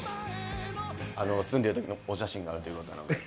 住んでいる時のお写真があるという事なので。